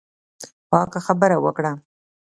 پاکه خبره وکړه.